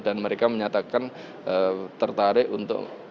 dan mereka menyatakan tertarik untuk berpartisipasi